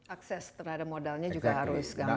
akses terhadap modalnya juga harus gampang